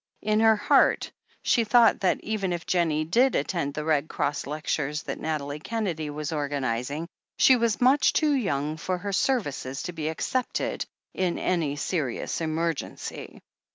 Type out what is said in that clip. In her heart she thought that, even if Jennie did attend the Red Cross lectures that Nathalie Kennedy was organizing, she was much too young for her serv ices to be accepted in any serious emergency.